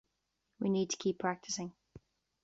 We need to keep practicing.